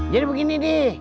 jadi begini di